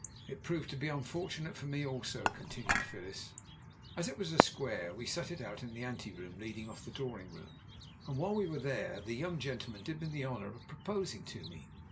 "It proved to be unfortunate for me also," continued Phyllis. "As it was a square we sat it out in the ante room leading off the drawing room, and while we were there the young gentleman did me the honour of proposing to me.